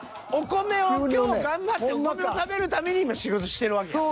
今日頑張ってお米を食べるために今仕事してるわけや。